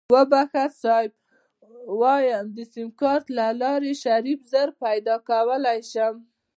وبښه صيب ويم د سيمکارټ دلارې شريف زر پيدا کولی شو.